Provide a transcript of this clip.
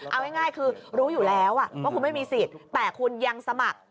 เอาง่ายคือรู้อยู่แล้วว่าคุณไม่มีสิทธิ์แต่คุณยังสมัคร